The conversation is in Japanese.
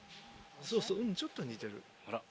そうそうちょっと似てる。